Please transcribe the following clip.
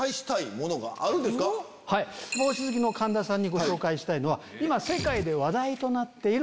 帽子好きの神田さんにご紹介したいのは。